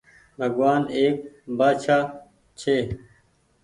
بگوآن ايڪ بآڇآ ڇي